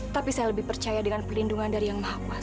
tapi saya lebih percaya dengan pelindungan dari yang maha kuasa